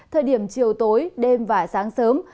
thời điểm chiều tối đêm và sáng sớm